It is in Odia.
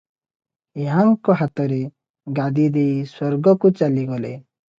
ଏହାଙ୍କ ହାତରେ ଗାଦି ଦେଇ ସ୍ୱର୍ଗକୁ ଚାଲିଗଲେ ।